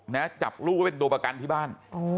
นะจับลูกไว้เป็นตัวประกันที่บ้าน